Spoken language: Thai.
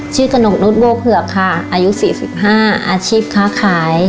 ชื่อกนกนุฏโบเผือกค่ะอายุ๔๕อาชีพค้าขาย